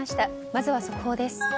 まずは速報です。